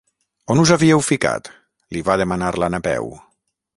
On us havíeu ficat? —li va demanar la Napeu.